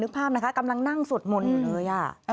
ภาพนะคะกำลังนั่งสวดมนต์อยู่เลย